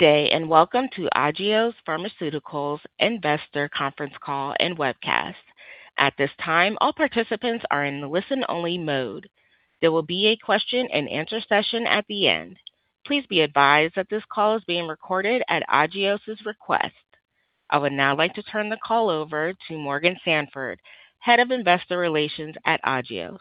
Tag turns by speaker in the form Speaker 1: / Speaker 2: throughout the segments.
Speaker 1: Good day and welcome to Agios Pharmaceuticals' Investor Conference Call and Webcast. At this time, all participants are in listen-only mode. There will be a question-and-answer session at the end. Please be advised that this call is being recorded at Agios' request. I would now like to turn the call over to Morgan Sanford, Head of Investor Relations at Agios.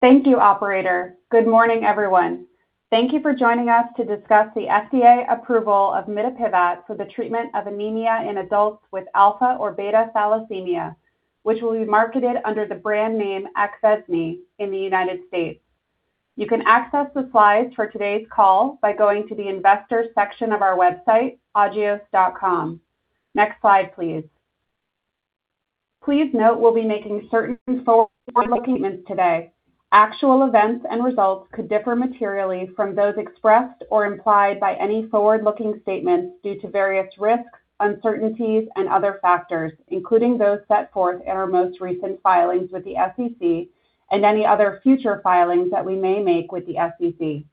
Speaker 2: Thank you, Operator. Good morning, everyone. Thank you for joining us to discuss the FDA approval of mitapivat for the treatment of anemia in adults with alpha or beta thalassemia, which will be marketed under the brand name Aqneusai in the United States. You can access the slides for today's call by going to the Investor section of our website, agios.com. Next slide, please. Please note we'll be making certain forward-looking statements today. Actual events and results could differ materially from those expressed or implied by any forward-looking statements due to various risks, uncertainties, and other factors, including those set forth in our most recent filings with the SEC and any other future filings that we may make with the SEC.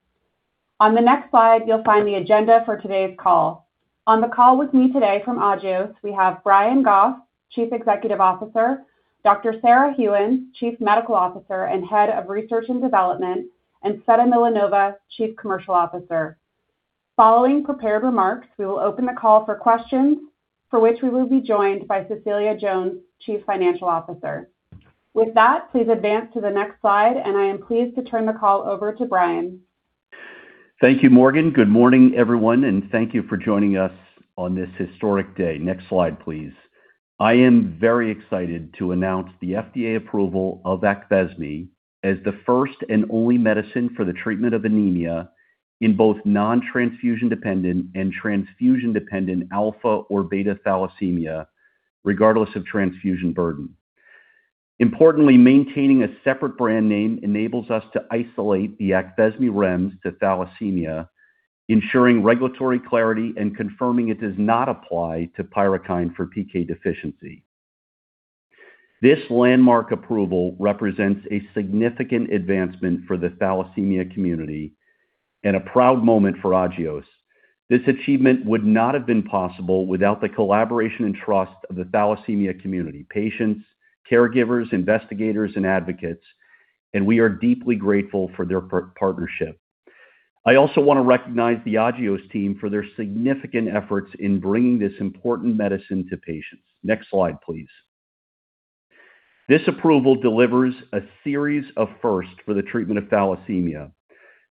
Speaker 2: On the next slide, you'll find the agenda for today's call. On the call with me today from Agios, we have Brian Goff, Chief Executive Officer; Dr. Sarah Gheuens, Chief Medical Officer and Head of Research and Development, and Tsveta Milanova, Chief Commercial Officer. Following prepared remarks, we will open the call for questions, for which we will be joined by Cecilia Jones, Chief Financial Officer. With that, please advance to the next slide, and I am pleased to turn the call over to Brian.
Speaker 3: Thank you, Morgan. Good morning, everyone, and thank you for joining us on this historic day. Next slide, please. I am very excited to announce the FDA approval of Aqneusa as the first and only medicine for the treatment of anemia in both non-transfusion-dependent and transfusion-dependent alpha or beta thalassemia, regardless of transfusion burden. Importantly, maintaining a separate brand name enables us to isolate the Aqneusa REMS to thalassemia, ensuring regulatory clarity and confirming it does not apply to Pyrukynd for PK deficiency. This landmark approval represents a significant advancement for the thalassemia community and a proud moment for Agios. This achievement would not have been possible without the collaboration and trust of the thalassemia community: patients, caregivers, investigators, and advocates, and we are deeply grateful for their partnership. I also want to recognize the Agios team for their significant efforts in bringing this important medicine to patients. Next slide, please. This approval delivers a series of firsts for the treatment of thalassemia,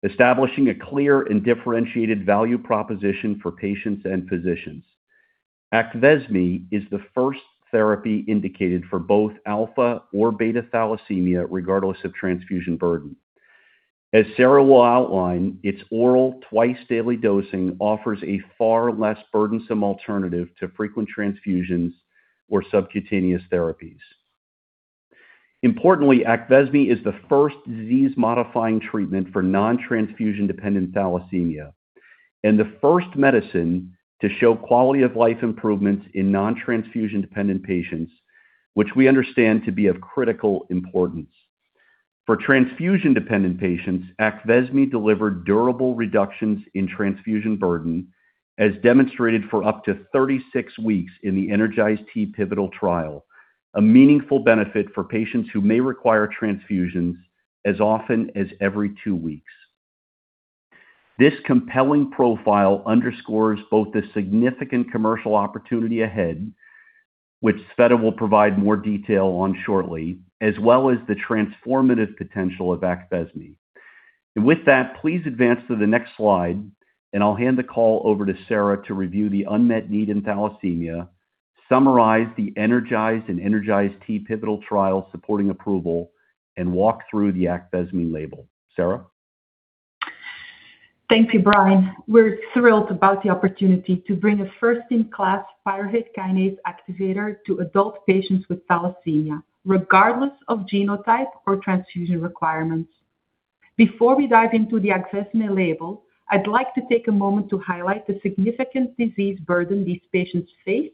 Speaker 3: establishing a clear and differentiated value proposition for patients and physicians. Aqneusa is the first therapy indicated for both alpha or beta thalassemia, regardless of transfusion burden. As Sarah will outline, its oral twice-daily dosing offers a far less burdensome alternative to frequent transfusions or subcutaneous therapies. Importantly, Aqneusa is the first disease-modifying treatment for non-transfusion-dependent thalassemia and the first medicine to show quality-of-life improvements in non-transfusion-dependent patients, which we understand to be of critical importance. For transfusion-dependent patients, Aqneusa delivered durable reductions in transfusion burden, as demonstrated for up to 36 weeks in the ENERGIZE-T pivotal trial, a meaningful benefit for patients who may require transfusions as often as every two weeks. This compelling profile underscores both the significant commercial opportunity ahead, which Tsveta will provide more detail on shortly, as well as the transformative potential of Aqneusa. And with that, please advance to the next slide, and I'll hand the call over to Sarah to review the unmet need in thalassemia, summarize the ENERGIZE and ENERGIZE-T pivotal trial supporting approval, and walk through the Aqneusa label. Sarah?
Speaker 4: Thank you, Brian. We're thrilled about the opportunity to bring a first-in-class pyruvate kinase activator to adult patients with thalassemia, regardless of genotype or transfusion requirements. Before we dive into the Aqneusa label, I'd like to take a moment to highlight the significant disease burden these patients face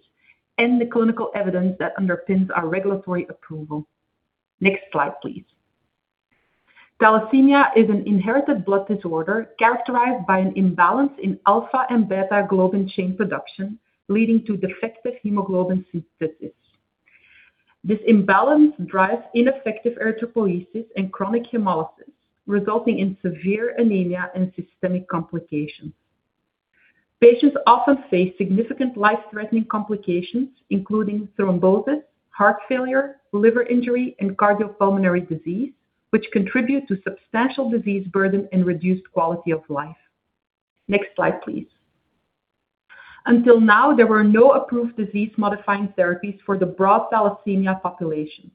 Speaker 4: and the clinical evidence that underpins our regulatory approval. Next slide, please. Thalassemia is an inherited blood disorder characterized by an imbalance in alpha and beta globin chain production, leading to defective hemoglobin synthesis. This imbalance drives ineffective erythropoiesis and chronic hemolysis, resulting in severe anemia and systemic complications. Patients often face significant life-threatening complications, including thrombosis, heart failure, liver injury, and cardiopulmonary disease, which contribute to substantial disease burden and reduced quality of life. Next slide, please. Until now, there were no approved disease-modifying therapies for the broad thalassemia population.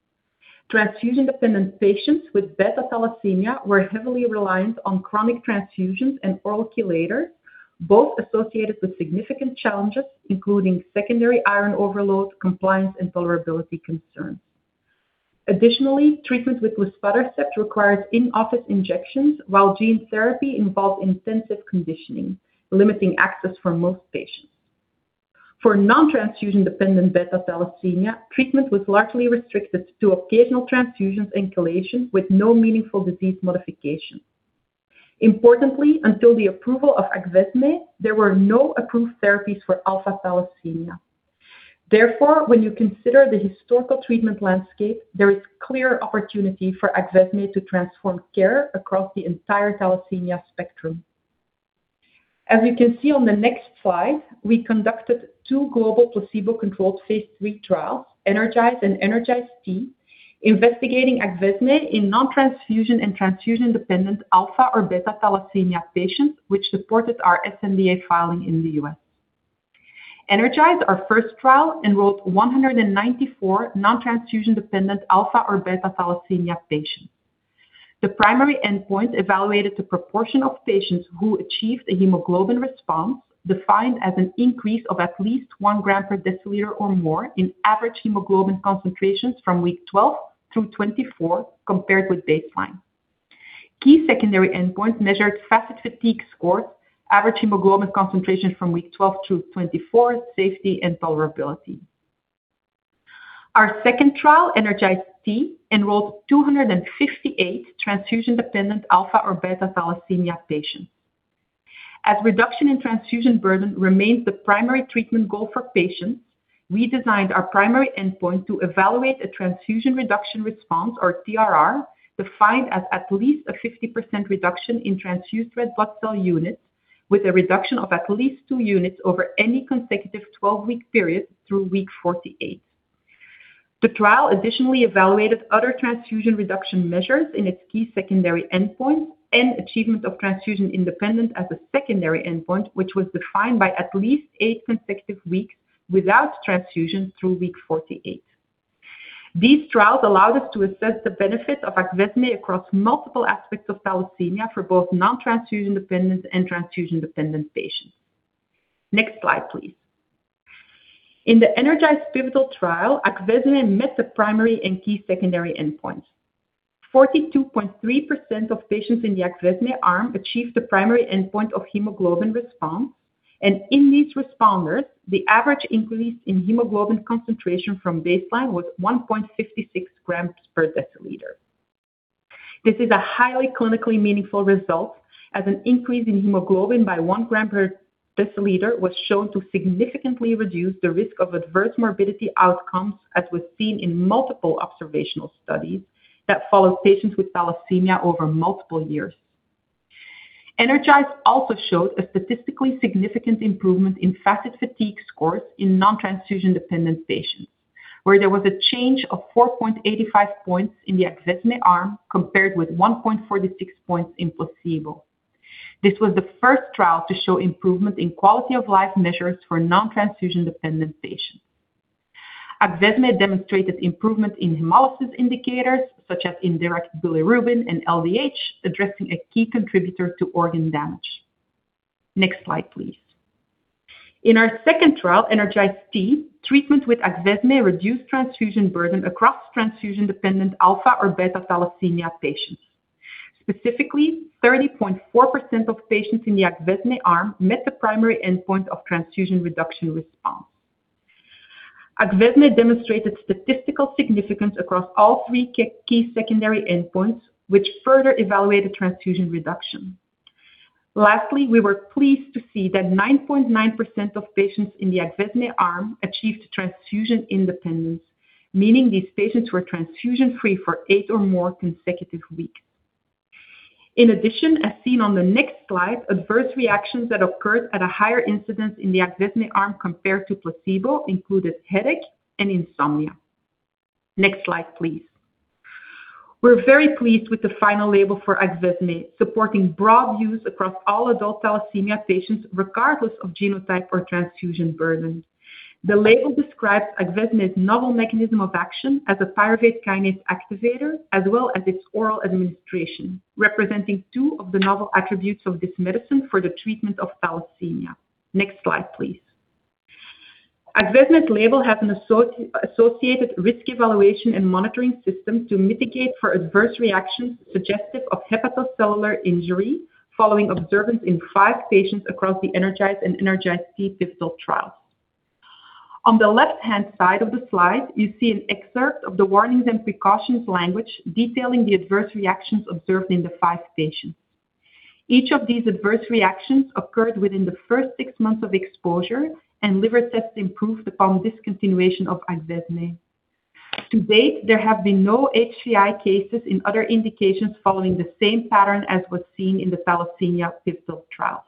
Speaker 4: Transfusion-dependent patients with beta thalassemia were heavily reliant on chronic transfusions and oral chelators, both associated with significant challenges, including secondary iron overload, compliance, and tolerability concerns. Additionally, treatment with luspatercept requires in-office injections, while gene therapy involves intensive conditioning, limiting access for most patients. For non-transfusion-dependent beta thalassemia, treatment was largely restricted to occasional transfusions and chelations with no meaningful disease modification. Importantly, until the approval of Aqneusa, there were no approved therapies for alpha thalassemia. Therefore, when you consider the historical treatment landscape, there is clear opportunity for Aqneusa to transform care across the entire thalassemia spectrum. As you can see on the next slide, we conducted two global placebo-controlled phase 3 trials, ENERGIZE and ENERGIZE-T, investigating Aqneusa in non-transfusion and transfusion-dependent alpha or beta thalassemia patients, which supported our sNDA filing in the U.S. ENERGIZE, our first trial, enrolled 194 non-transfusion-dependent alpha or beta thalassemia patients. The primary endpoint evaluated the proportion of patients who achieved a hemoglobin response defined as an increase of at least one gram per deciliter or more in average hemoglobin concentrations from week 12 through 24, compared with baseline. Key secondary endpoints measured FACIT-Fatigue scores, average hemoglobin concentrations from week 12 through 24, safety, and tolerability. Our second trial, ENERGIZE-T, enrolled 258 transfusion-dependent alpha or beta thalassemia patients. As reduction in transfusion burden remains the primary treatment goal for patients, we designed our primary endpoint to evaluate a transfusion reduction response, or TRR, defined as at least a 50% reduction in transfused red blood cell units, with a reduction of at least two units over any consecutive 12-week period through week 48. The trial additionally evaluated other transfusion reduction measures in its key secondary endpoints and achievement of transfusion-independent as a secondary endpoint, which was defined by at least eight consecutive weeks without transfusion through week 48. These trials allowed us to assess the benefits of Aqneusa across multiple aspects of thalassemia for both non-transfusion-dependent and transfusion-dependent patients. Next slide, please. In the ENERGIZE pivotal trial, Aqneusa met the primary and key secondary endpoints. 42.3% of patients in the Aqneusa arm achieved the primary endpoint of hemoglobin response, and in these responders, the average increase in hemoglobin concentration from baseline was 1.56 grams per deciliter. This is a highly clinically meaningful result, as an increase in hemoglobin by one gram per deciliter was shown to significantly reduce the risk of adverse morbidity outcomes, as was seen in multiple observational studies that followed patients with thalassemia over multiple years. ENERGIZE also showed a statistically significant improvement in FACIT-Fatigue scores in non-transfusion-dependent patients, where there was a change of 4.85 points in the Aqneusa arm compared with 1.46 points in placebo. This was the first trial to show improvement in quality-of-life measures for non-transfusion-dependent patients. Aqneusa demonstrated improvement in hemolysis indicators, such as indirect bilirubin and LDH, addressing a key contributor to organ damage. Next slide, please. In our second trial, ENERGIZE-T, treatment with Aqneusa reduced transfusion burden across transfusion-dependent alpha or beta thalassemia patients. Specifically, 30.4% of patients in the Aqneusa arm met the primary endpoint of transfusion reduction response. Aqneusa demonstrated statistical significance across all three key secondary endpoints, which further evaluated transfusion reduction. Lastly, we were pleased to see that 9.9% of patients in the Aqneusa arm achieved transfusion-independence, meaning these patients were transfusion-free for eight or more consecutive weeks. In addition, as seen on the next slide, adverse reactions that occurred at a higher incidence in the Aqneusa arm compared to placebo included headache and insomnia. Next slide, please. We're very pleased with the final label for Aqneusa, supporting broad use across all adult thalassemia patients, regardless of genotype or transfusion burden. The label describes Aqneusa's novel mechanism of action as a pyruvate kinase activator, as well as its oral administration, representing two of the novel attributes of this medicine for the treatment of thalassemia. Next slide, please. Aqneusa's label has an associated risk evaluation and mitigation system to mitigate for adverse reactions suggestive of hepatocellular injury following observation in five patients across the ENERGIZE and ENERGIZE-T pivotal trials. On the left-hand side of the slide, you see an excerpt of the warnings and precautions language detailing the adverse reactions observed in the five patients. Each of these adverse reactions occurred within the first six months of exposure, and liver tests improved upon discontinuation of Aqneusa. To date, there have been no HCI cases in other indications following the same pattern as was seen in the thalassemia pivotal trials.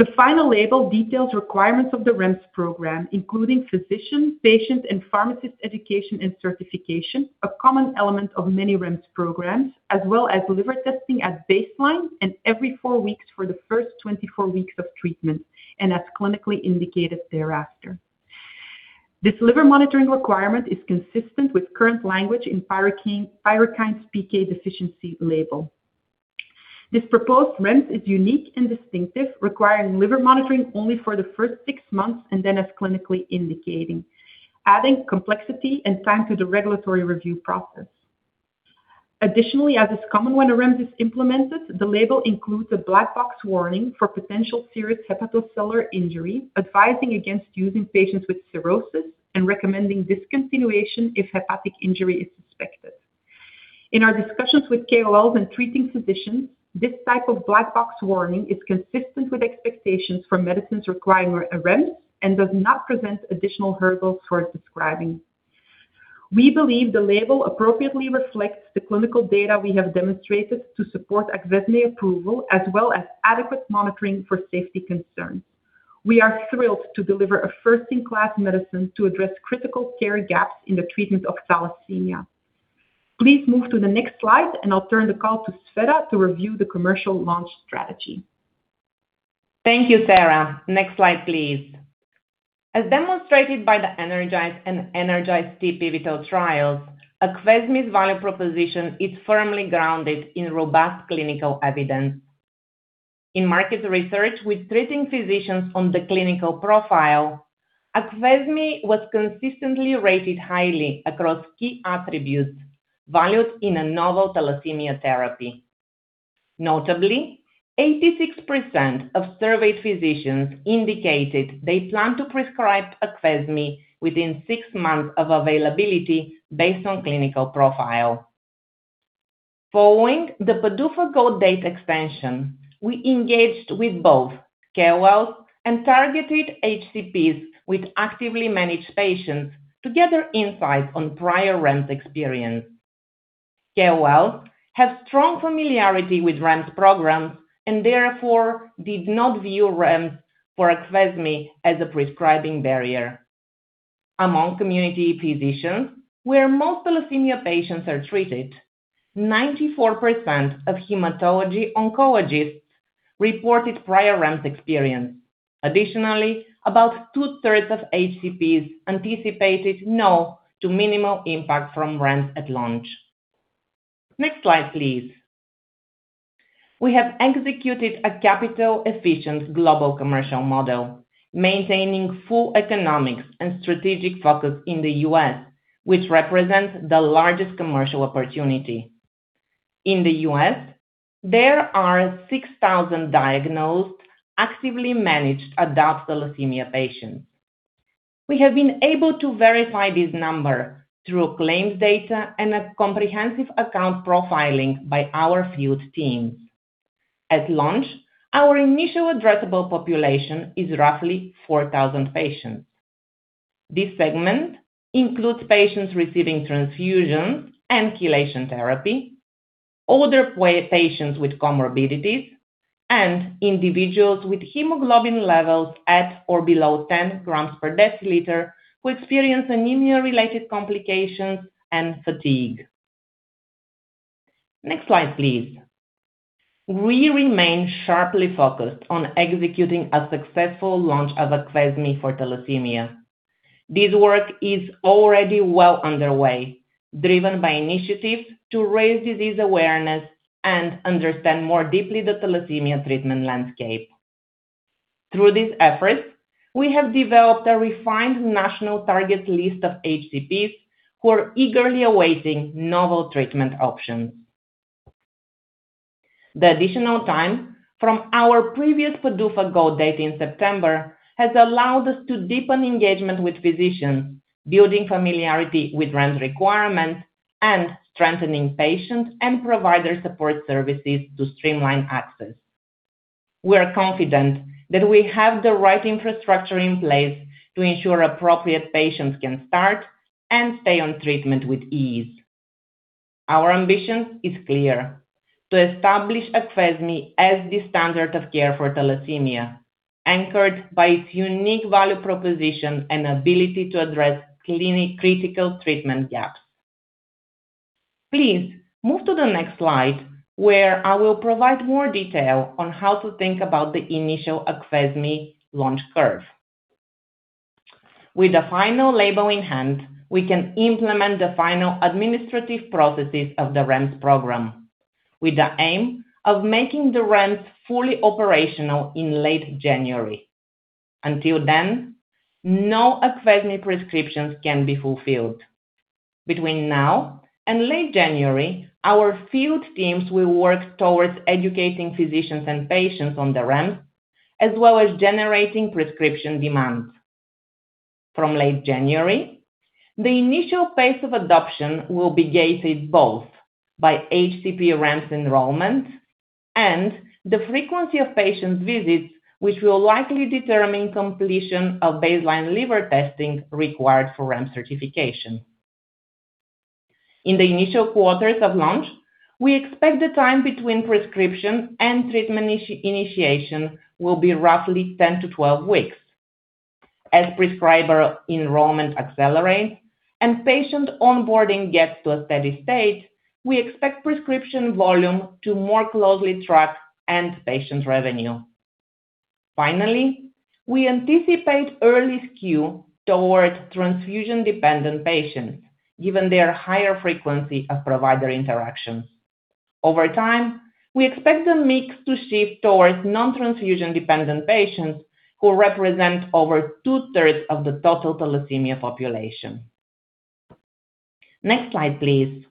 Speaker 4: The final label details requirements of the REMS program, including physician, patient, and pharmacist education and certification, a common element of many REMS programs, as well as liver testing at baseline and every four weeks for the first 24 weeks of treatment and as clinically indicated thereafter. This liver monitoring requirement is consistent with current language in Pyrukynd's PK deficiency label. This proposed REMS is unique and distinctive, requiring liver monitoring only for the first six months and then as clinically indicated, adding complexity and time to the regulatory review process. Additionally, as is common when a REMS is implemented, the label includes a black box warning for potential serious hepatocellular injury, advising against using patients with cirrhosis and recommending discontinuation if hepatic injury is suspected. In our discussions with KOLs and treating physicians, this type of black box warning is consistent with expectations for medicines requiring a REMS and does not present additional hurdles for prescribing. We believe the label appropriately reflects the clinical data we have demonstrated to support Aqneusa approval, as well as adequate monitoring for safety concerns. We are thrilled to deliver a first-in-class medicine to address critical care gaps in the treatment of thalassemia. Please move to the next slide, and I'll turn the call to Tsveta to review the commercial launch strategy.
Speaker 5: Thank you, Sarah. Next slide, please. As demonstrated by the ENERGIZE and ENERGIZE-T pivotal trials, Aqneusa's value proposition is firmly grounded in robust clinical evidence. In market research with treating physicians on the clinical profile, Aqneusa was consistently rated highly across key attributes valued in a novel thalassemia therapy. Notably, 86% of surveyed physicians indicated they plan to prescribe Aqneusa within six months of availability based on clinical profile. Following the PDUFA goal date extension, we engaged with both KOLs and targeted HCPs with actively managed patients to gather insights on prior REMS experience. KOLs have strong familiarity with REMS programs and therefore did not view REMS for Aqneusa as a prescribing barrier. Among community physicians where most thalassemia patients are treated, 94% of hematology oncologists reported prior REMS experience. Additionally, about two-thirds of HCPs anticipated no to minimal impact from REMS at launch. Next slide, please. We have executed a capital-efficient global commercial model, maintaining full economics and strategic focus in the U.S., which represents the largest commercial opportunity. In the U.S., there are 6,000 diagnosed, actively managed adult thalassemia patients. We have been able to verify this number through claims data and a comprehensive account profiling by our field teams. At launch, our initial addressable population is roughly 4,000 patients. This segment includes patients receiving transfusions and chelation therapy, older patients with comorbidities, and individuals with hemoglobin levels at or below 10 grams per deciliter who experience anemia-related complications and fatigue. Next slide, please. We remain sharply focused on executing a successful launch of Aqneusa for thalassemia. This work is already well underway, driven by initiatives to raise disease awareness and understand more deeply the thalassemia treatment landscape. Through these efforts, we have developed a refined national target list of HCPs who are eagerly awaiting novel treatment options. The additional time from our previous PDUFA goal date in September has allowed us to deepen engagement with physicians, building familiarity with REMS requirements, and strengthening patient and provider support services to streamline access. We are confident that we have the right infrastructure in place to ensure appropriate patients can start and stay on treatment with ease. Our ambition is clear: to establish Aqneusa as the standard of care for thalassemia, anchored by its unique value proposition and ability to address clinically critical treatment gaps. Please move to the next slide, where I will provide more detail on how to think about the initial Aqneusa launch curve. With the final label in hand, we can implement the final administrative processes of the REMS program, with the aim of making the REMS fully operational in late January. Until then, no Aqneusa prescriptions can be fulfilled. Between now and late January, our field teams will work towards educating physicians and patients on the REMS, as well as generating prescription demands. From late January, the initial phase of adoption will be gated both by HCP REMS enrollment and the frequency of patient visits, which will likely determine completion of baseline liver testing required for REMS certification. In the initial quarters of launch, we expect the time between prescription and treatment initiation will be roughly 10-12 weeks. As prescriber enrollment accelerates and patient onboarding gets to a steady state, we expect prescription volume to more closely track end patient revenue. Finally, we anticipate early skew toward transfusion-dependent patients, given their higher frequency of provider interactions. Over time, we expect the mix to shift toward non-transfusion-dependent patients who represent over two-thirds of the total thalassemia population. Next slide, please.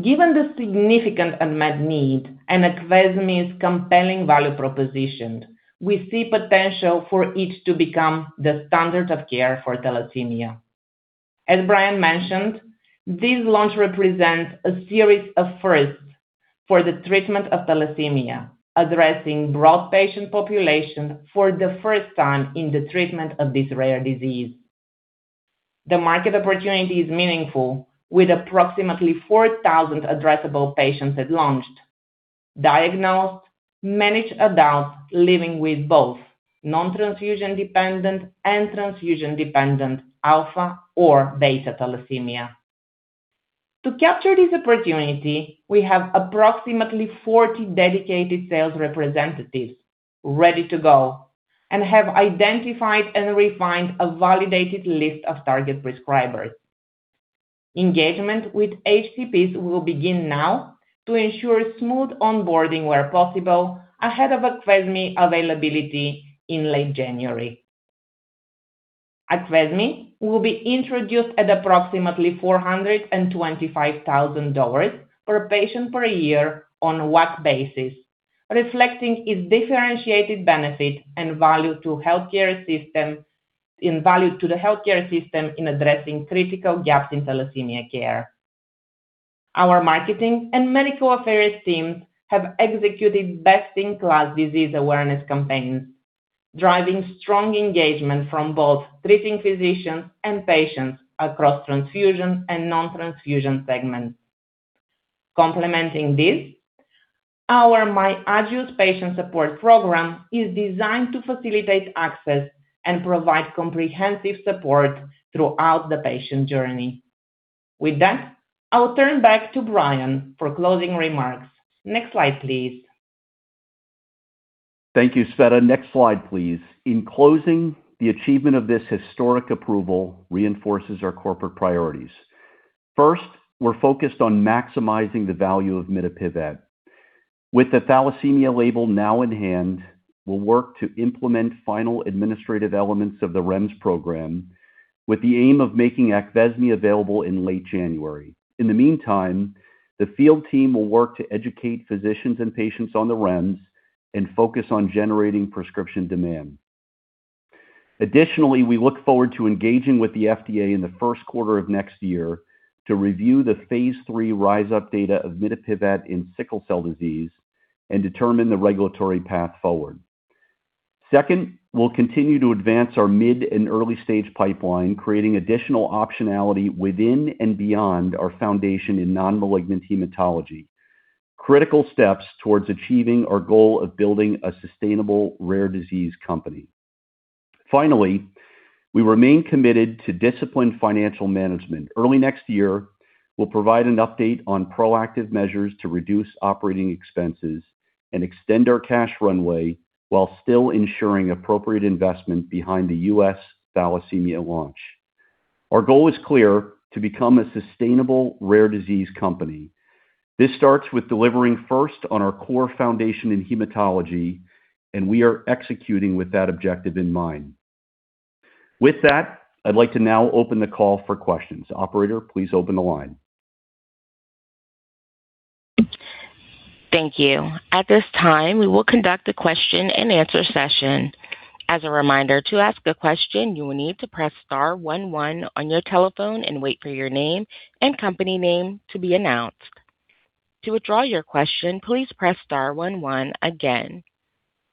Speaker 5: Given the significant unmet need and Aqneusa's compelling value proposition, we see potential for it to become the standard of care for thalassemia. As Brian mentioned, this launch represents a series of firsts for the treatment of thalassemia, addressing broad patient population for the first time in the treatment of this rare disease. The market opportunity is meaningful, with approximately 4,000 addressable patients at launch: diagnosed, managed adults living with both non-transfusion-dependent and transfusion-dependent alpha or beta thalassemia. To capture this opportunity, we have approximately 40 dedicated sales representatives ready to go and have identified and refined a validated list of target prescribers. Engagement with HCPs will begin now to ensure smooth onboarding where possible ahead of Aqneusa availability in late January. Aqneusa will be introduced at approximately $425,000 per patient per year on a WAC basis, reflecting its differentiated benefit and value to the healthcare system in addressing critical gaps in thalassemia care. Our marketing and medical affairs teams have executed best-in-class disease awareness campaigns, driving strong engagement from both treating physicians and patients across transfusion and non-transfusion segments. Complementing this, our myAgios Patient Support Program is designed to facilitate access and provide comprehensive support throughout the patient journey. With that, I'll turn back to Brian for closing remarks. Next slide, please.
Speaker 3: Thank you, Tsveta. Next slide, please. In closing, the achievement of this historic approval reinforces our corporate priorities. First, we're focused on maximizing the value of mitapivat. With the thalassemia label now in hand, we'll work to implement final administrative elements of the REMS program with the aim of making Aqneusa available in late January. In the meantime, the field team will work to educate physicians and patients on the REMS and focus on generating prescription demand. Additionally, we look forward to engaging with the FDA in the first quarter of next year to review the phase three RISE UP data of mitapivat in sickle cell disease and determine the regulatory path forward. Second, we'll continue to advance our mid and early-stage pipeline, creating additional optionality within and beyond our foundation in non-malignant hematology. Critical steps towards achieving our goal of building a sustainable rare disease company. Finally, we remain committed to disciplined financial management. Early next year, we'll provide an update on proactive measures to reduce operating expenses and extend our cash runway while still ensuring appropriate investment behind the U.S. thalassemia launch. Our goal is clear: to become a sustainable rare disease company. This starts with delivering first on our core foundation in hematology, and we are executing with that objective in mind. With that, I'd like to now open the call for questions. Operator, please open the line.
Speaker 1: Thank you. At this time, we will conduct a question-and-answer session. As a reminder, to ask a question, you will need to press star 11 on your telephone and wait for your name and company name to be announced. To withdraw your question, please press star 11 again.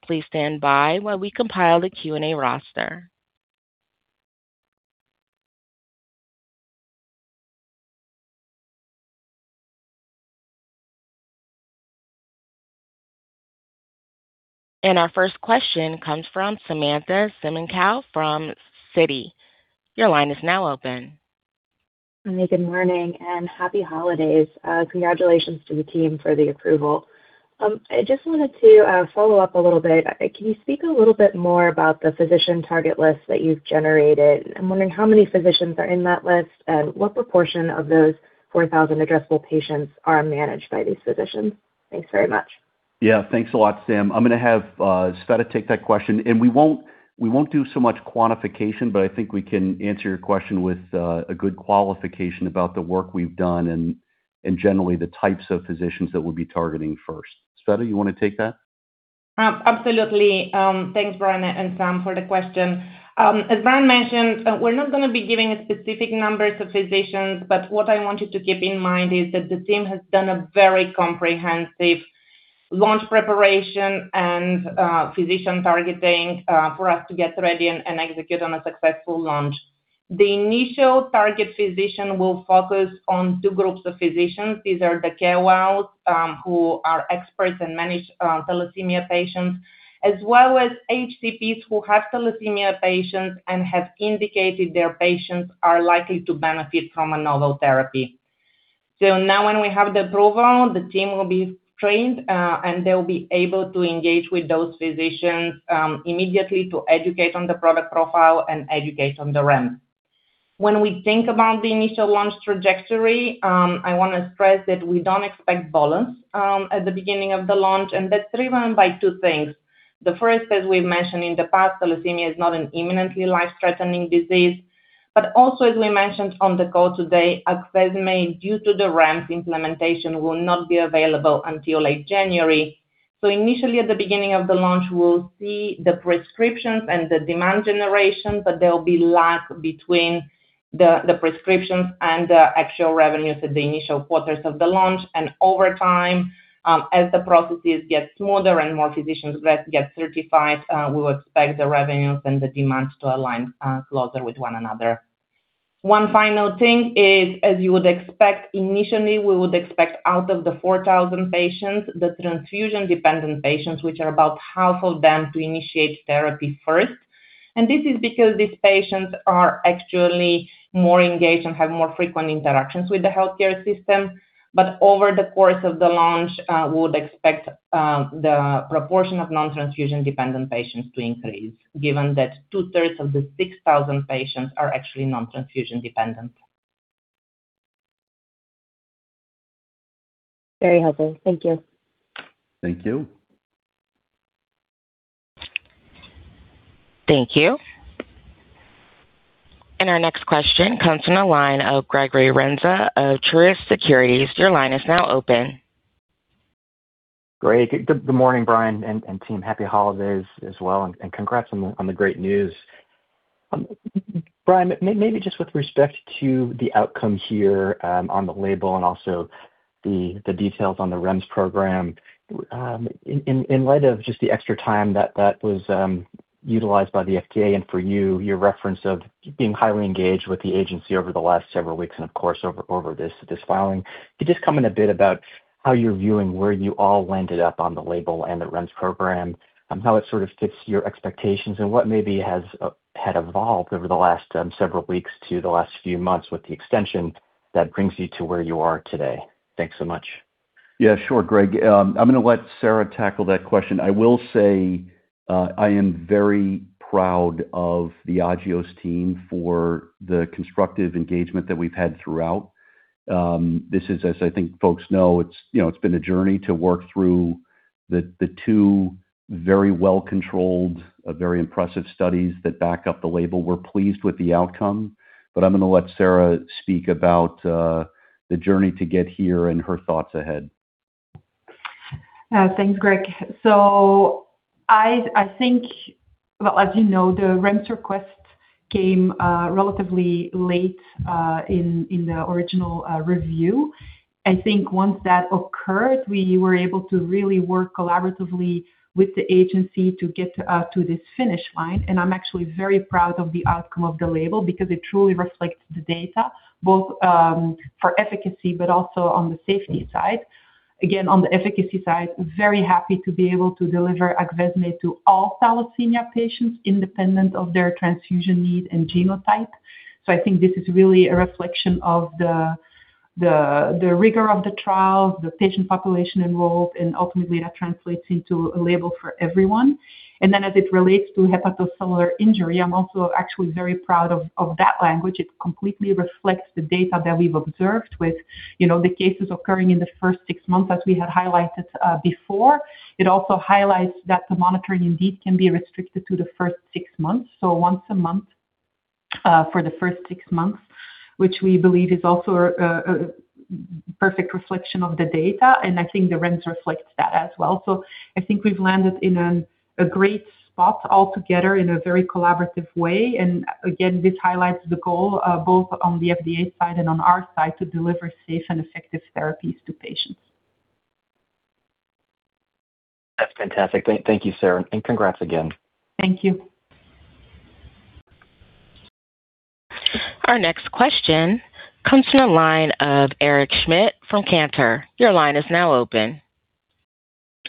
Speaker 1: Please stand by while we compile the Q&A roster. And our first question comes from Samantha Semenkow from Citi. Your line is now open.
Speaker 6: Hi, good morning and happy holidays. Congratulations to the team for the approval. I just wanted to follow up a little bit. Can you speak a little bit more about the physician target list that you've generated? I'm wondering how many physicians are in that list and what proportion of those 4,000 addressable patients are managed by these physicians? Thanks very much.
Speaker 3: Yeah, thanks a lot, Sam. I'm going to have Tsveta take that question, and we won't do so much quantification, but I think we can answer your question with a good qualification about the work we've done and generally the types of physicians that we'll be targeting first. Tsveta, you want to take that?
Speaker 5: Absolutely. Thanks, Brian and Sam, for the question. As Brian mentioned, we're not going to be giving specific numbers of physicians, but what I want you to keep in mind is that the team has done a very comprehensive launch preparation and physician targeting for us to get ready and execute on a successful launch. The initial target physician will focus on two groups of physicians. These are the KOLs who are experts and manage thalassemia patients, as well as HCPs who have thalassemia patients and have indicated their patients are likely to benefit from a novel therapy. So now, when we have the approval, the team will be trained, and they'll be able to engage with those physicians immediately to educate on the product profile and educate on the REMS. When we think about the initial launch trajectory, I want to stress that we don't expect dollars at the beginning of the launch, and that's driven by two things. The first, as we've mentioned in the past, thalassemia is not an imminently life-threatening disease, but also, as we mentioned on the call today, Aqneusa, due to the REMS implementation, will not be available until late January, so initially, at the beginning of the launch, we'll see the prescriptions and the demand generation, but there'll be lag between the prescriptions and the actual revenues at the initial quarters of the launch, and over time, as the processes get smoother and more physicians get certified, we will expect the revenues and the demand to align closer with one another. One final thing is, as you would expect, initially, we would expect out of the 4,000 patients, the transfusion-dependent patients, which are about half of them, to initiate therapy first. And this is because these patients are actually more engaged and have more frequent interactions with the healthcare system. But over the course of the launch, we would expect the proportion of non-transfusion-dependent patients to increase, given that two-thirds of the 6,000 patients are actually non-transfusion-dependent.
Speaker 6: Very helpful. Thank you.
Speaker 3: Thank you.
Speaker 1: Thank you. And our next question comes from analyst Gregory Renza, of Truist Securities. Your line is now open.
Speaker 7: Great. Good morning, Brian and team. Happy holidays as well, and congrats on the great news. Brian, maybe just with respect to the outcome here on the label and also the details on the REMS program, in light of just the extra time that was utilized by the FDA and for you, your reference of being highly engaged with the agency over the last several weeks and, of course, over this filing, could you just comment a bit about how you're viewing where you all landed up on the label and the REMS program, how it sort of fits your expectations, and what maybe has evolved over the last several weeks to the last few months with the extension that brings you to where you are today? Thanks so much.
Speaker 3: Yeah, sure, Greg. I'm going to let Sarah tackle that question. I will say I am very proud of the Agios team for the constructive engagement that we've had throughout. This is, as I think folks know, it's been a journey to work through the two very well-controlled, very impressive studies that back up the label. We're pleased with the outcome, but I'm going to let Sarah speak about the journey to get here and her thoughts ahead.
Speaker 4: Thanks, Greg. So I think, well, as you know, the REMS request came relatively late in the original review. I think once that occurred, we were able to really work collaboratively with the agency to get to this finish line. And I'm actually very proud of the outcome of the label because it truly reflects the data, both for efficacy but also on the safety side. Again, on the efficacy side, very happy to be able to deliver Aqneusa to all thalassemia patients independent of their transfusion need and genotype. So I think this is really a reflection of the rigor of the trials, the patient population involved, and ultimately, that translates into a label for everyone. And then, as it relates to hepatocellular injury, I'm also actually very proud of that language. It completely reflects the data that we've observed with the cases occurring in the first six months, as we had highlighted before. It also highlights that the monitoring indeed can be restricted to the first six months, so once a month for the first six months, which we believe is also a perfect reflection of the data, and I think the REMS reflects that as well. So I think we've landed in a great spot altogether in a very collaborative way, and again, this highlights the goal both on the FDA side and on our side to deliver safe and effective therapies to patients.
Speaker 7: That's fantastic. Thank you, Sarah, and congrats again.
Speaker 4: Thank you.
Speaker 1: Our next question comes from the line of Eric Schmidt from Cantor. Your line is now open.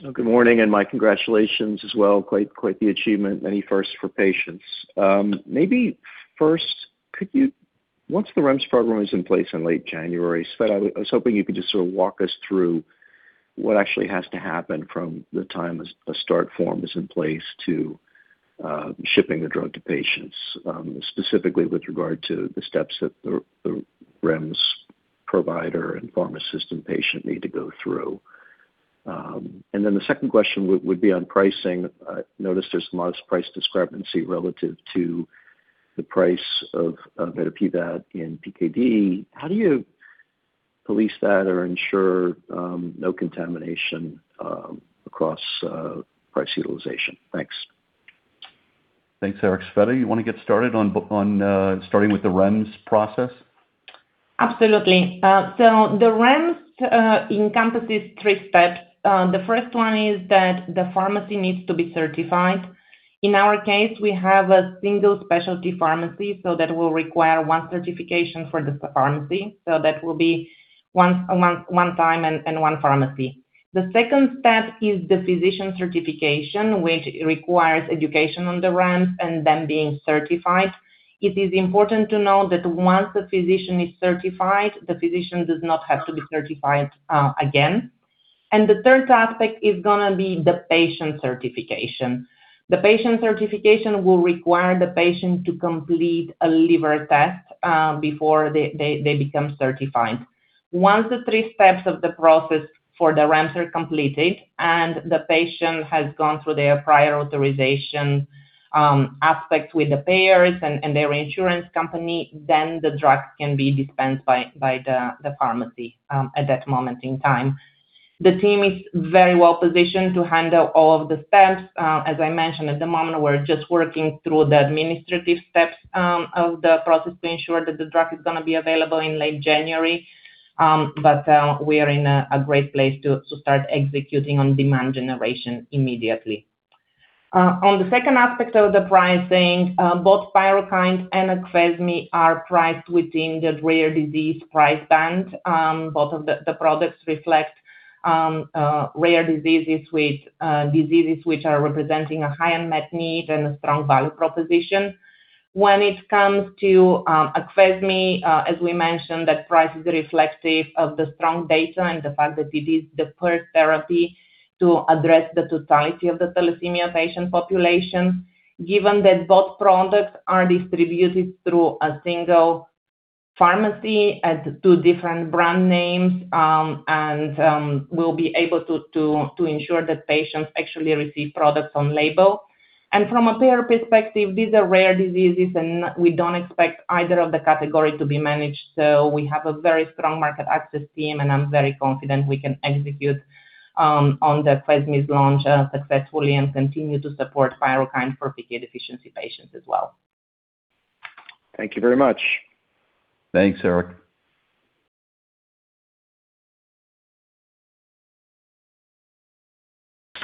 Speaker 8: Good morning and my congratulations as well. Quite the achievement, many firsts for patients. My first, once the REMS program is in place in late January, Tsveta, I was hoping you could just sort of walk us through what actually has to happen from the time a start form is in place to shipping the drug to patients, specifically with regard to the steps that the REMS provider and pharmacist and patient need to go through. And then the second question would be on pricing. I noticed there's a lot of price discrepancy relative to the price of mitapivat in PKD. How do you police that or ensure no contamination across price utilization? Thanks.
Speaker 3: Thanks, Eric. Tsveta, you want to get started with the REMS process?
Speaker 5: Absolutely. So the REMS encompasses three steps. The first one is that the pharmacy needs to be certified. In our case, we have a single specialty pharmacy, so that will require one certification for the pharmacy. So that will be one time and one pharmacy. The second step is the physician certification, which requires education on the REMS and then being certified. It is important to note that once the physician is certified, the physician does not have to be certified again. And the third aspect is going to be the patient certification. The patient certification will require the patient to complete a liver test before they become certified. Once the three steps of the process for the REMS are completed and the patient has gone through their prior authorization aspect with the payers and their insurance company, then the drug can be dispensed by the pharmacy at that moment in time. The team is very well positioned to handle all of the steps. As I mentioned, at the moment, we're just working through the administrative steps of the process to ensure that the drug is going to be available in late January. But we are in a great place to start executing on demand generation immediately. On the second aspect of the pricing, both Pyrukynd and Aqneusa are priced within the rare disease price band. Both of the products reflect rare diseases with diseases which are representing a high unmet need and a strong value proposition. When it comes to Aqneusa, as we mentioned, that price is reflective of the strong data and the fact that it is the first therapy to address the totality of the thalassemia patient population. Given that both products are distributed through a single pharmacy at two different brand names, and we'll be able to ensure that patients actually receive products on label, and from a payer perspective, these are rare diseases, and we don't expect either of the categories to be managed, so we have a very strong market access team, and I'm very confident we can execute on the Aqneusa's launch successfully and continue to support Pyrukynd for PK deficiency patients as well.
Speaker 8: Thank you very much.
Speaker 3: Thanks, Eric.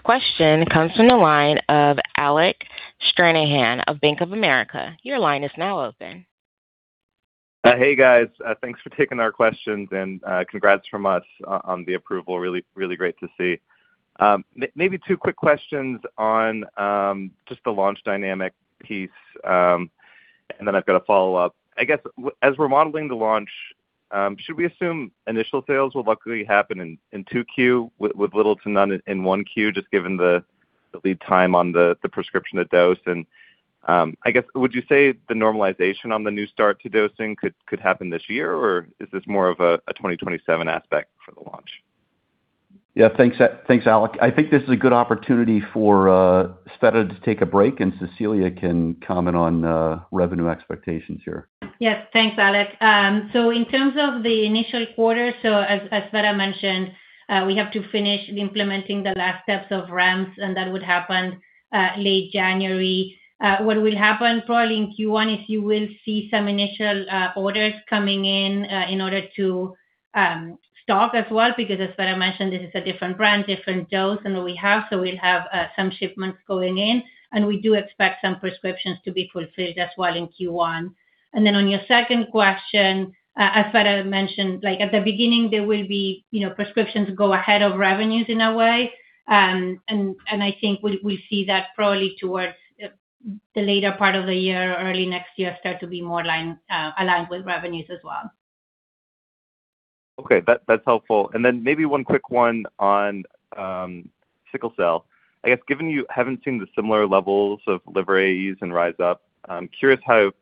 Speaker 1: Next question comes from the line of Alec Stranahan of Bank of America. Your line is now open.
Speaker 9: Hey, guys. Thanks for taking our questions, and congrats from us on the approval. Really, really great to see. Maybe two quick questions on just the launch dynamic piece, and then I've got a follow-up. I guess, as we're modeling the launch, should we assume initial sales will likely happen in Q2 with little to none in Q1, just given the lead time on the prescription to dose? And I guess, would you say the normalization on the new start to dosing could happen this year, or is this more of a 2027 aspect for the launch?
Speaker 3: Yeah, thanks, Alec. I think this is a good opportunity for Tsveta to take a break, and Cecilia can comment on revenue expectations here.
Speaker 10: Yes, thanks, Alec. So in terms of the initial quarter, so as Tsveta mentioned, we have to finish implementing the last steps of REMS, and that would happen late January. What will happen probably in Q1 is you will see some initial orders coming in in order to stock as well because, as Tsveta mentioned, this is a different brand, different dose than we have. So we'll have some shipments going in, and we do expect some prescriptions to be fulfilled as well in Q1. And then on your second question, as Tsveta mentioned, at the beginning, there will be prescriptions go ahead of revenues in a way. And I think we'll see that probably towards the later part of the year or early next year start to be more aligned with revenues as well.
Speaker 9: Okay. That's helpful. And then maybe one quick one on sickle cell. I guess, given you haven't seen the similar levels of liver AEs in RISE UP, I'm curious how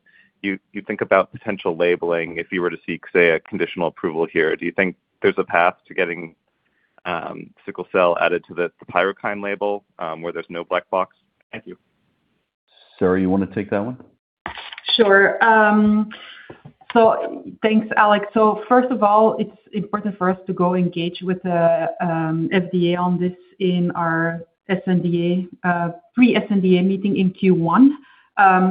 Speaker 9: you think about potential labeling if you were to seek, say, a conditional approval here. Do you think there's a path to getting sickle cell added to the PYRUKYND label where there's no black box? Thank you.
Speaker 3: Sarah, you want to take that one?
Speaker 4: Sure. So thanks, Alec. So first of all, it's important for us to go engage with the FDA on this in our pre-SNDA meeting in Q1.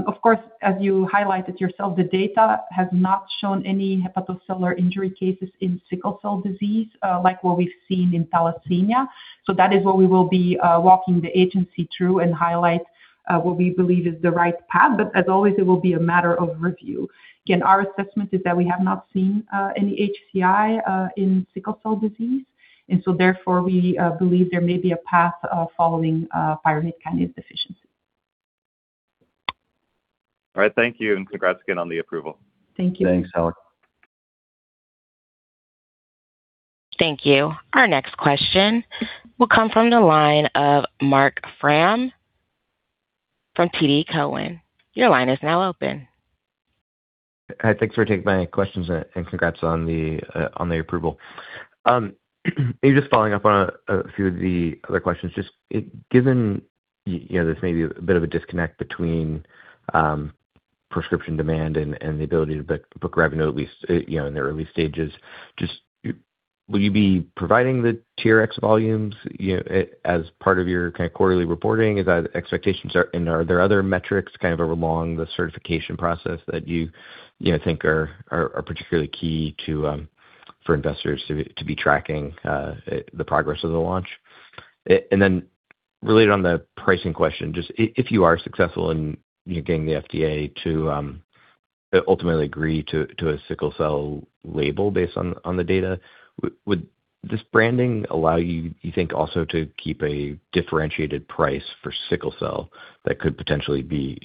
Speaker 4: Of course, as you highlighted yourself, the data has not shown any hepatocellular injury cases in sickle cell disease like what we've seen in thalassemia. So that is what we will be walking the agency through and highlight what we believe is the right path. But as always, it will be a matter of review. Again, our assessment is that we have not seen any HCI in sickle cell disease. And so therefore, we believe there may be a path following pyruvate kinase deficiency.
Speaker 9: All right. Thank you, and congrats again on the approval.
Speaker 4: Thank you.
Speaker 3: Thanks, Alec.
Speaker 1: Thank you. Our next question will come from the line of Marc Frahm from TD Cowen. Your line is now open.
Speaker 11: Hi. Thanks for taking my questions and congrats on the approval. Maybe just following up on a few of the other questions. Just given there's maybe a bit of a disconnect between prescription demand and the ability to book revenue, at least in the early stages, just will you be providing the TRX volumes as part of your kind of quarterly reporting? Are there other metrics kind of along the certification process that you think are particularly key for investors to be tracking the progress of the launch? And then related on the pricing question, just if you are successful in getting the FDA to ultimately agree to a sickle cell label based on the data, would this branding allow you, you think, also to keep a differentiated price for sickle cell that could potentially be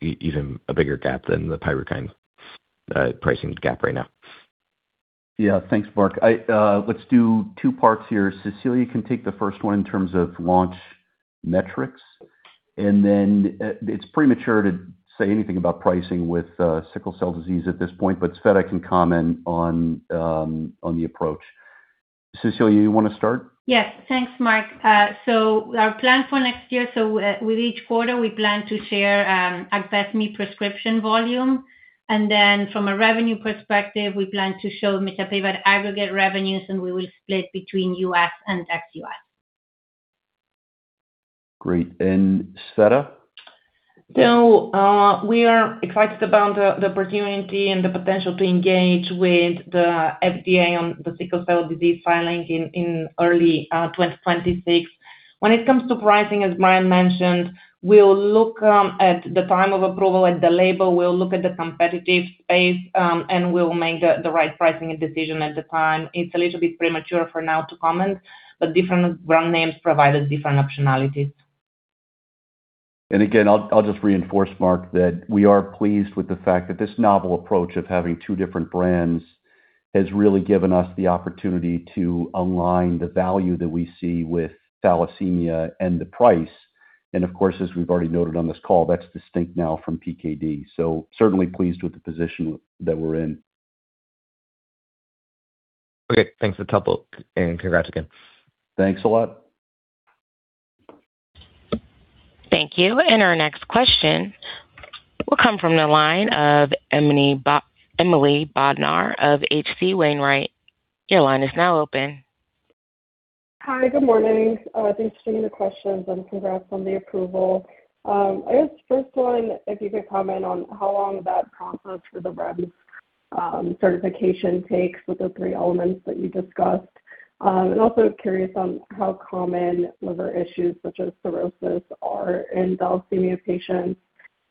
Speaker 11: even a bigger gap than the Pyrukynd pricing gap right now?
Speaker 3: Yeah. Thanks, Marc. Let's do two parts here. Cecilia can take the first one in terms of launch metrics. And then it's premature to say anything about pricing with sickle cell disease at this point, but Tsveta can comment on the approach. Cecilia, you want to start?
Speaker 10: Yes. Thanks, Marc. So our plan for next year, so with each quarter, we plan to share Aqneusa prescription volume. And then from a revenue perspective, we plan to show mitapivat aggregate revenues, and we will split between U.S. and ex-U.S.
Speaker 3: Great. And Tsveta?
Speaker 5: So we are excited about the opportunity and the potential to engage with the FDA on the sickle cell disease filing in early 2026. When it comes to pricing, as Brian mentioned, we'll look at the time of approval at the label. We'll look at the competitive space, and we'll make the right pricing decision at the time. It's a little bit premature for now to comment, but different brand names provide different optionalities.
Speaker 3: And again, I'll just reinforce, Marc, that we are pleased with the fact that this novel approach of having two different brands has really given us the opportunity to align the value that we see with thalassemia and the price. And of course, as we've already noted on this call, that's distinct now from PKD. So certainly pleased with the position that we're in.
Speaker 11: Okay. Thanks for the topic, and congrats again.
Speaker 3: Thanks a lot.
Speaker 1: Thank you. And our next question will come from the line of Emily Bodnar of H.C. Wainwright. Your line is now open.
Speaker 12: Hi. Good morning. Thanks for taking the questions, and congrats on the approval. I guess first one, if you could comment on how long that process for the REMS certification takes with the three elements that you discussed? And also curious on how common liver issues such as cirrhosis are in thalassemia patients?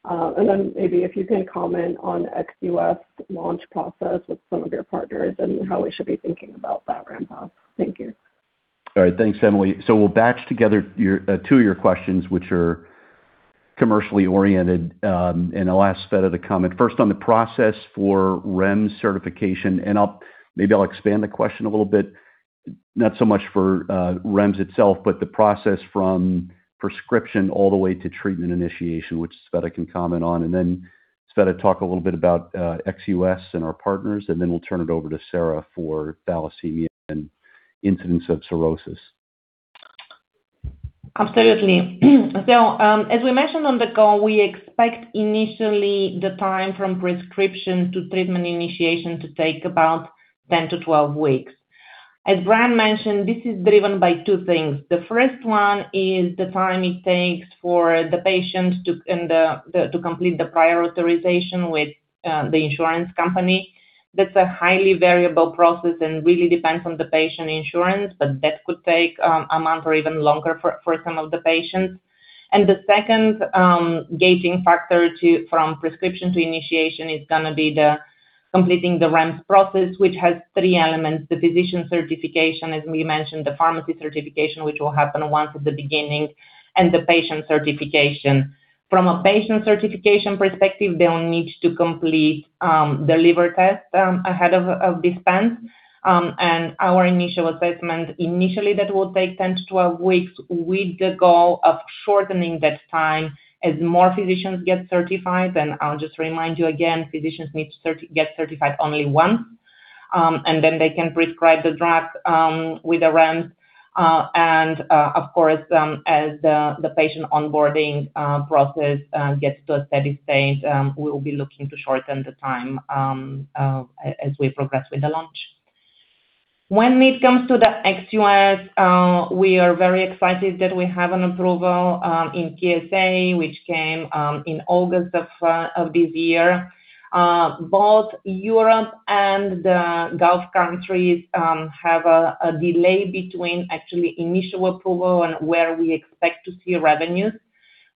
Speaker 12: And then maybe if you can comment on ex-US launch process with some of your partners and how we should be thinking about that ramp-up? Thank you.
Speaker 3: All right. Thanks, Emily. So we'll batch together two of your questions, which are commercially oriented. And I'll ask Tsveta to comment first on the process for REMS certification. And maybe I'll expand the question a little bit, not so much for REMS itself, but the process from prescription all the way to treatment initiation, which Tsveta can comment on. And then Tsveta talk a little bit about ex-US and our partners, and then we'll turn it over to Sarah for thalassemia and incidence of cirrhosis.
Speaker 5: Absolutely, so as we mentioned on the call, we expect initially the time from prescription to treatment initiation to take about 10-12 weeks. As Brian mentioned, this is driven by two things. The first one is the time it takes for the patient to complete the prior authorization with the insurance company. That's a highly variable process and really depends on the patient insurance, but that could take a month or even longer for some of the patients, and the second gating factor from prescription to initiation is going to be completing the REMS process, which has three elements: the physician certification, as we mentioned, the pharmacy certification, which will happen once at the beginning, and the patient certification. From a patient certification perspective, they'll need to complete the liver test ahead of dispense. Our initial assessment initially that will take 10-12 weeks with the goal of shortening that time as more physicians get certified. I'll just remind you again, physicians need to get certified only once, and then they can prescribe the drug with the REMS. Of course, as the patient onboarding process gets to a steady state, we'll be looking to shorten the time as we progress with the launch. When it comes to the ex-US, we are very excited that we have an approval in KSA, which came in August of this year. Both Europe and the Gulf countries have a delay between actually initial approval and where we expect to see revenues.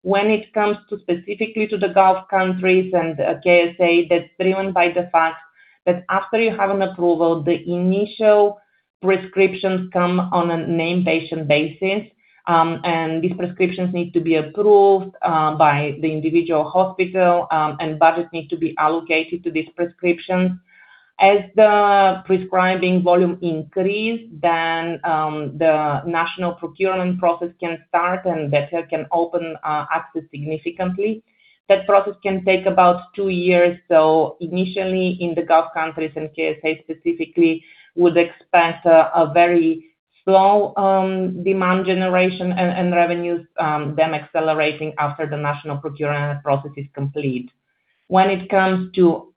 Speaker 5: When it comes specifically to the Gulf countries and KSA, that's driven by the fact that after you have an approval, the initial prescriptions come on a nomination basis, and these prescriptions need to be approved by the individual hospital, and budgets need to be allocated to these prescriptions. As the prescribing volume increases, then the national procurement process can start, and that can open access significantly. That process can take about two years. So initially, in the Gulf countries and KSA specifically, we would expect a very slow demand generation and revenues then accelerating after the national procurement process is complete. When it comes to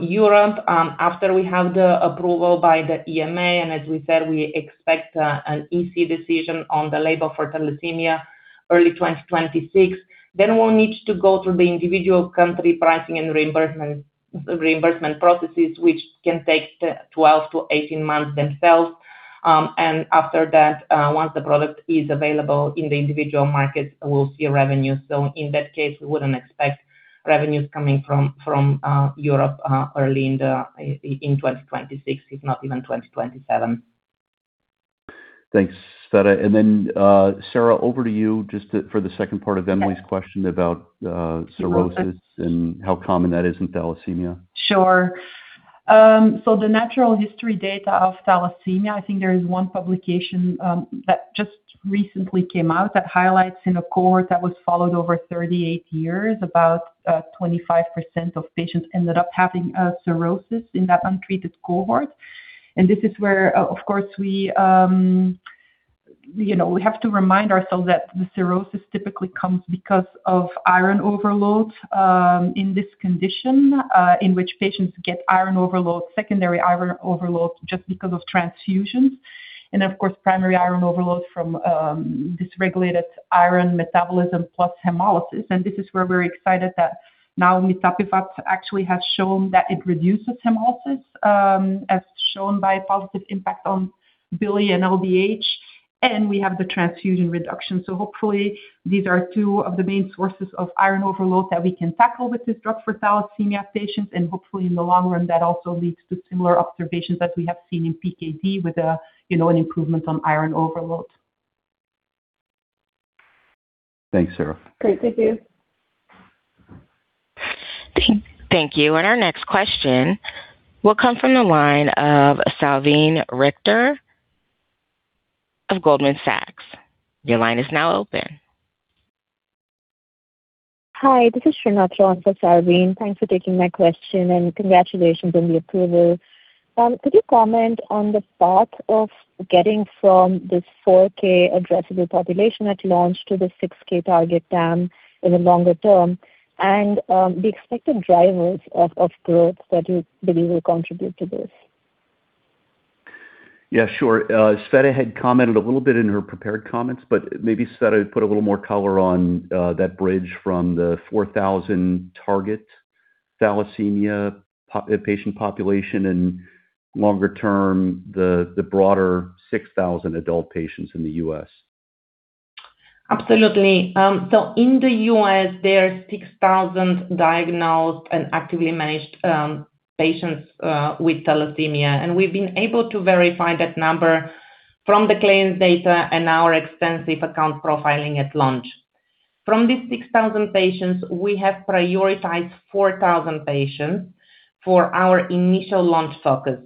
Speaker 5: Europe, after we have the approval by the EMA, and as we said, we expect an EC decision on the label for thalassemia early 2026, then we'll need to go through the individual country pricing and reimbursement processes, which can take 12 to 18 months themselves, and after that, once the product is available in the individual markets, we'll see revenues, so in that case, we wouldn't expect revenues coming from Europe early in 2026, if not even 2027.
Speaker 3: Thanks, Tsveta. And then Sarah, over to you just for the second part of Emily's question about cirrhosis and how common that is in thalassemia.
Speaker 4: Sure. So the natural history data of thalassemia, I think there is one publication that just recently came out that highlights in a cohort that was followed over 38 years about 25% of patients ended up having cirrhosis in that untreated cohort. And this is where, of course, we have to remind ourselves that the cirrhosis typically comes because of iron overload in this condition in which patients get iron overload, secondary iron overload just because of transfusions, and of course, primary iron overload from dysregulated iron metabolism plus hemolysis. And this is where we're excited that now mitapivat actually has shown that it reduces hemolysis as shown by a positive impact on bilirubin and LDH, and we have the transfusion reduction. So hopefully, these are two of the main sources of iron overload that we can tackle with this drug for thalassemia patients. Hopefully, in the long run, that also leads to similar observations that we have seen in PKD with an improvement on iron overload.
Speaker 3: Thanks, Sarah.
Speaker 12: Great. Thank you.
Speaker 1: Thank you. And our next question will come from the line of Salveen Richter of Goldman Sachs. Your line is now open.
Speaker 13: Hi. This is Salveen Richter. Thanks for taking my question, and congratulations on the approval. Could you comment on the path of getting from this 4K addressable population at launch to the 6K target TAM in the longer term and the expected drivers of growth that you believe will contribute to this?
Speaker 3: Yeah. Sure. Tsveta had commented a little bit in her prepared comments, but maybe Tsveta would put a little more color on that bridge from the 4,000 target thalassemia patient population and longer term, the broader 6,000 adult patients in the U.S.
Speaker 5: Absolutely. So in the U.S., there are 6,000 diagnosed and actively managed patients with thalassemia. And we've been able to verify that number from the claims data and our extensive account profiling at launch. From these 6,000 patients, we have prioritized 4,000 patients for our initial launch focus.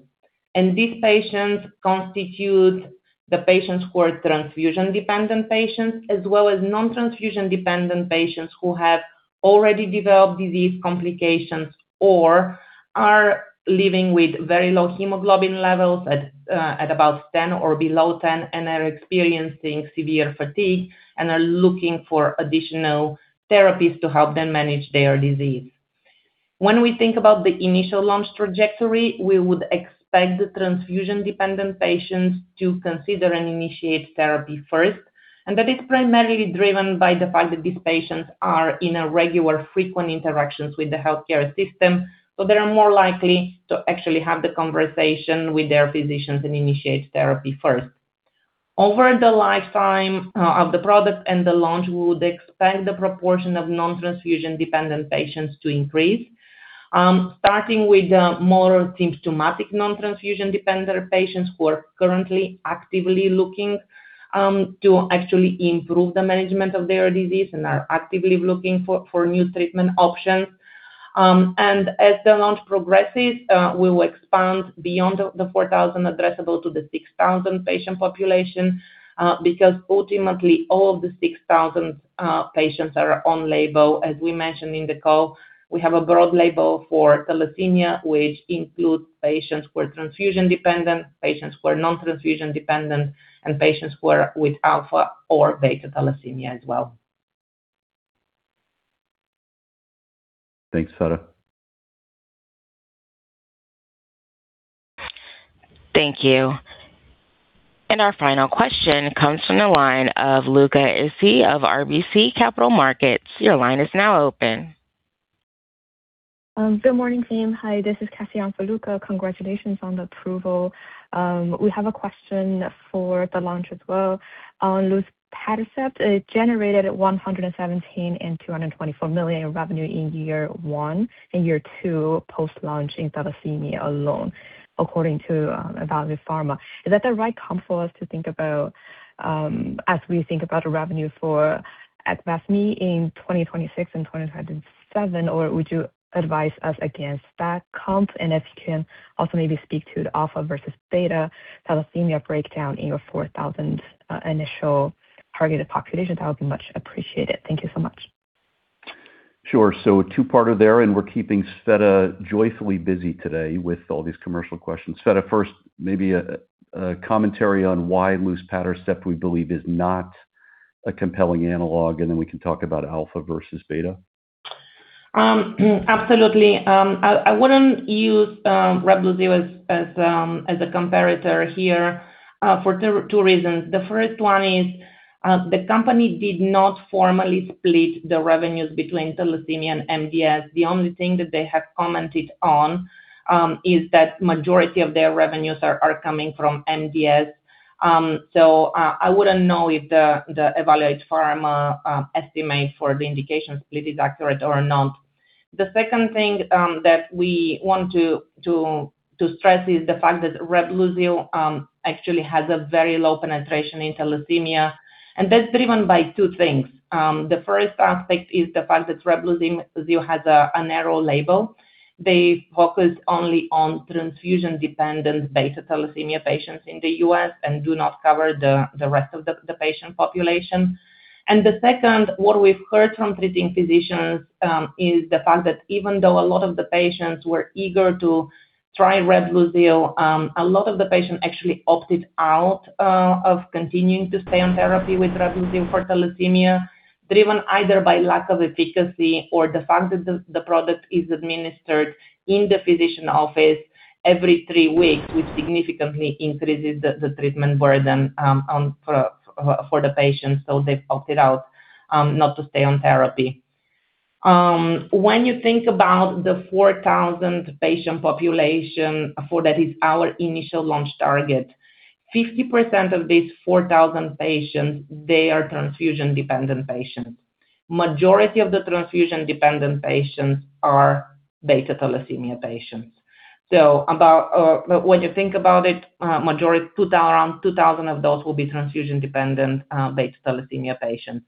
Speaker 5: And these patients constitute the patients who are transfusion-dependent patients as well as non-transfusion-dependent patients who have already developed disease complications or are living with very low hemoglobin levels at about 10 or below 10 and are experiencing severe fatigue and are looking for additional therapies to help them manage their disease. When we think about the initial launch trajectory, we would expect the transfusion-dependent patients to consider and initiate therapy first, and that is primarily driven by the fact that these patients are in regular frequent interactions with the healthcare system. So they are more likely to actually have the conversation with their physicians and initiate therapy first. Over the lifetime of the product and the launch, we would expect the proportion of non-transfusion-dependent patients to increase, starting with the more symptomatic non-transfusion-dependent patients who are currently actively looking to actually improve the management of their disease and are actively looking for new treatment options. And as the launch progresses, we will expand beyond the 4,000 addressable to the 6,000 patient population because ultimately all of the 6,000 patients are on label. As we mentioned in the call, we have a broad label for thalassemia, which includes patients who are transfusion-dependent, patients who are non-transfusion-dependent, and patients who are with alpha or beta thalassemia as well.
Speaker 3: Thanks, Tsvetaa.
Speaker 1: Thank you. And our final question comes from the line of Luca Issi of RBC Capital Markets. Your line is now open. Good morning, team. Hi. This is Kasia for Luca. Congratulations on the approval. We have a question for the launch as well. On luspatercept, it generated $117 million and $224 million in revenue in year one and year two post-launch in thalassemia alone, according to EvaluatePharma. Is that the right comp for us to think about as we think about revenue for Aqneusa in 2026 and 2027, or would you advise us against that comp? And if you can also maybe speak to the alpha versus beta thalassemia breakdown in your 4,000 initial targeted population, that would be much appreciated. Thank you so much.
Speaker 3: Sure. So two-parter there, and we're keeping Tsveta joyfully busy today with all these commercial questions. Tsveta first, maybe a commentary on why luspatercept, we believe, is not a compelling analog, and then we can talk about alpha versus beta.
Speaker 5: Absolutely. I wouldn't use Reblozyl as a comparator here for two reasons. The first one is the company did not formally split the revenues between thalassemia and MDS. The only thing that they have commented on is that the majority of their revenues are coming from MDS. So I wouldn't know if the EvaluatePharma estimate for the indication split is accurate or not. The second thing that we want to stress is the fact that Reblozyl actually has a very low penetration in thalassemia, and that's driven by two things. The first aspect is the fact that Reblozyl has a narrow label. They focus only on transfusion-dependent beta thalassemia patients in the U.S. and do not cover the rest of the patient population. The second, what we've heard from treating physicians is the fact that even though a lot of the patients were eager to try Reblozyl, a lot of the patients actually opted out of continuing to stay on therapy with Reblozyl for thalassemia, driven either by lack of efficacy or the fact that the product is administered in the physician office every three weeks, which significantly increases the treatment burden for the patients. They opted out not to stay on therapy. When you think about the 4,000 patient population that is our initial launch target, 50% of these 4,000 patients, they are transfusion-dependent patients. The majority of the transfusion-dependent patients are beta thalassemia patients. When you think about it, around 2,000 of those will be transfusion-dependent beta thalassemia patients.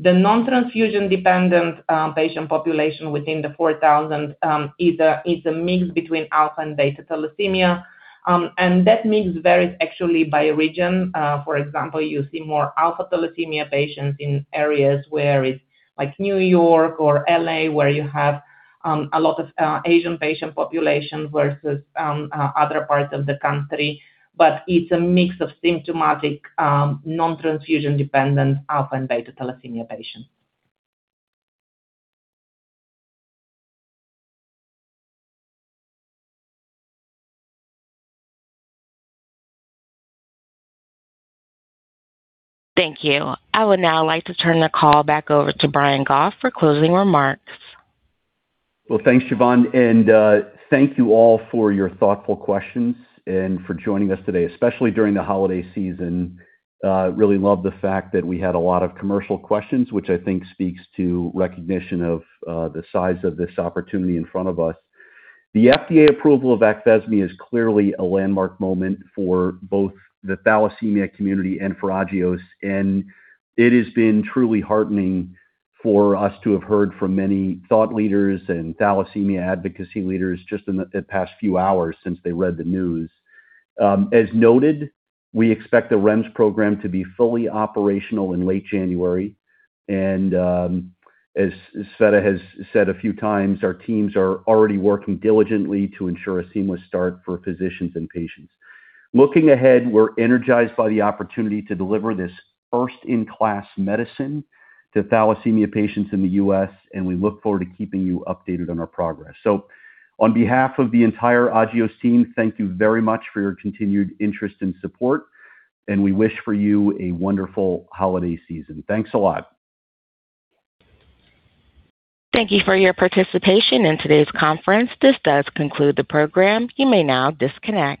Speaker 5: The non-transfusion-dependent patient population within the 4,000 is a mix between alpha and beta thalassemia. That mix varies actually by region. For example, you see more alpha thalassemia patients in areas where it's like New York or LA, where you have a lot of Asian patient population versus other parts of the country. It's a mix of symptomatic non-transfusion-dependent alpha and beta thalassemia patients.
Speaker 1: Thank you. I would now like to turn the call back over to Brian Goff for closing remarks.
Speaker 3: Thanks, Siobhan. And thank you all for your thoughtful questions and for joining us today, especially during the holiday season. I really love the fact that we had a lot of commercial questions, which I think speaks to recognition of the size of this opportunity in front of us. The FDA approval of Aqneusa is clearly a landmark moment for both the thalassemia community and for Agios, and it has been truly heartening for us to have heard from many thought leaders and thalassemia advocacy leaders just in the past few hours since they read the news. As noted, we expect the REMS program to be fully operational in late January. And as Tsveta has said a few times, our teams are already working diligently to ensure a seamless start for physicians and patients. Looking ahead, we're energized by the opportunity to deliver this first-in-class medicine to thalassemia patients in the U.S., and we look forward to keeping you updated on our progress, so on behalf of the entire Agios team, thank you very much for your continued interest and support, and we wish for you a wonderful holiday season. Thanks a lot.
Speaker 1: Thank you for your participation in today's conference. This does conclude the program. You may now disconnect.